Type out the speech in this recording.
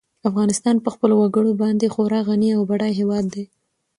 افغانستان په خپلو وګړي باندې خورا غني او بډای هېواد دی.